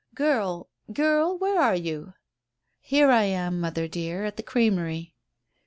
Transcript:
"Girl girl, where are you?" "Here I am, mother dear, at the creamery."